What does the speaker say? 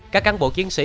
các cán bộ chiến sĩ